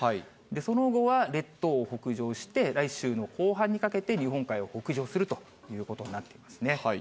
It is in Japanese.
その後は列島を北上して、来週の後半にかけて、日本海を北上するということになっていますね。